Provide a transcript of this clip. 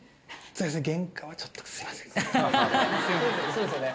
そうですよね。